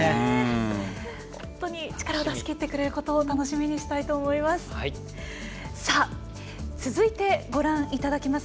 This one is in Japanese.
本当に力を出しきってくれることを楽しみにしたいと思います。